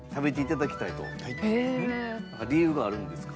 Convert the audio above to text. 理由があるんですか？